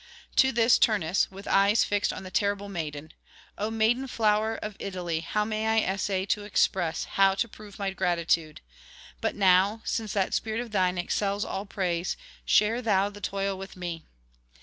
To this Turnus, with eyes fixed on the terrible maiden: 'O maiden flower of Italy, how may I essay to express, how to prove my gratitude? But now, since that spirit of thine excels all praise, share thou the toil with me.